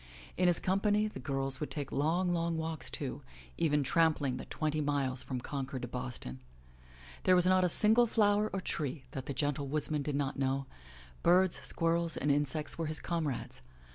In his company the girls would take long, long walks, too, even tramping the twenty miles from Concord to Boston. There was not a single flower or tree that the gentle woodsman did not know; birds, squirrels and insects were his comrades.